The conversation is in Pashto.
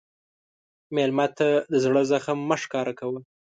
مېلمه ته د زړه زخم مه ښکاره کوه.